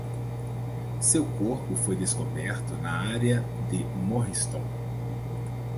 Seu corpo foi descoberto na área de Morriston.